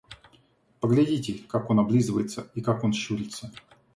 Поглядите, как он облизывается и как он щурится.